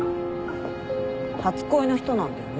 初恋の人なんだよね？